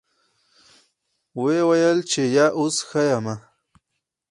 ويې ويل چې يه اوس ښه يمه.